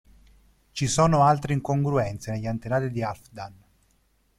Ci sono altre incongruenze negli antenati di Halfdan.